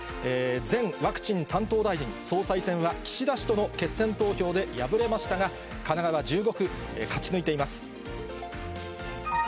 前ワクチン担当大臣、総裁選は岸田氏との決選投票で敗れましたが、神奈川１５区、勝ち抜いています。